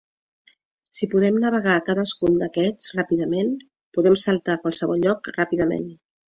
Si podem navegar a cadascun d'aquests ràpidament, podem saltar a qualsevol lloc ràpidament.